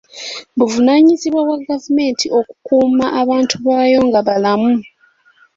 Buvunaanyizibwa bwa gavumenti okukuuma abantu baayo nga balamu.